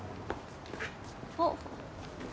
あっ。